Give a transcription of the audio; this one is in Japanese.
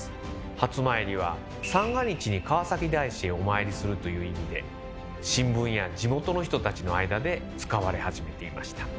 初詣は「三が日に川崎大師へお参りする」という意味で新聞や地元の人たちの間で使われ始めていました。